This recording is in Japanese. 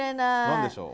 何でしょう？